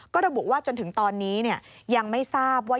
ก็ระบุว่าจนถึงตอนนี้ยังไม่ทราบว่า